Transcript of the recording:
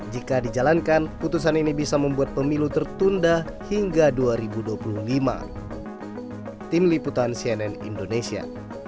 jika dijalankan putusan ini bisa membuat pemilu tertunda hingga dua ribu dua puluh lima